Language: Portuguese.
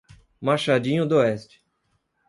Machadinho d'Oeste